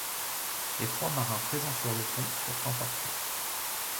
Les trois marins présents sur le pont furent emportés.